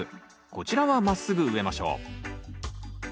こちらはまっすぐ植えましょう。